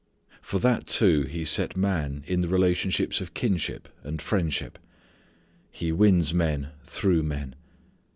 For that too He set man in the relationships of kinship and friendship. He wins men through men.